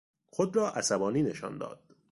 خود را عصبانی نشان داد.